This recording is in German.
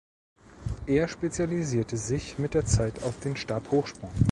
Er spezialisierte sich mit der Zeit auf den Stabhochsprung.